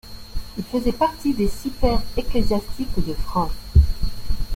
Ils faisaient partie des six pairs ecclésiastiques de France.